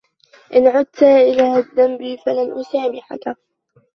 إِنْ عُدْتَ إِلَى الذَّنْبِ فَلَنْ أُسَامِحَكَ.